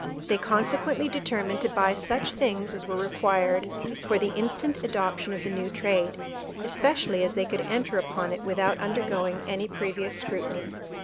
They consequently determined to buy such things as were required for the instant adoption of the new trade, especially as they could enter upon it without undergoing any previous scrutiny.